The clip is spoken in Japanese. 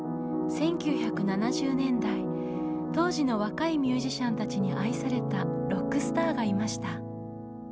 １９７０年代当時の若いミュージシャンたちに愛されたロックスターがいました。